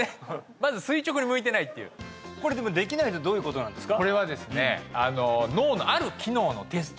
まず垂直に向いてないっていうこれでもできないとどういうことなんですか？